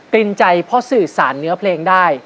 รินใจเพราะสื่อสารเนื้อเพลงได้